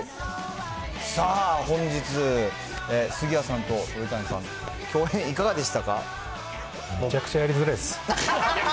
さあ、本日、杉谷さんと鳥谷さん、めちゃくちゃやりづらいです。